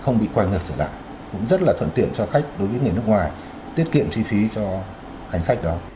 không bị quay ngược trở lại cũng rất là thuận tiện cho khách đối với người nước ngoài tiết kiệm chi phí cho hành khách đó